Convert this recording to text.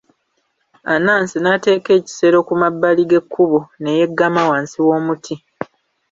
Anansi n'ateeka ekisero ku mabbali g'ekkubo ne yeggama wansi w'omuti. .